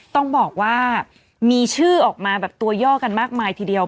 ต้องบอกว่ามีชื่อออกมาแบบตัวย่อกันมากมายทีเดียว